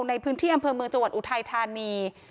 ในพื้นที่อำเภอเมืองจังหวัดอุทัยธานี